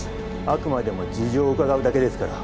あくまでも事情を伺うだけですから。